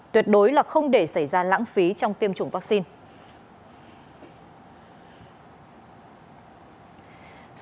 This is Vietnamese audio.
tuyệt đối là không để xảy ra lãng phí trong tiêm chủng vaccine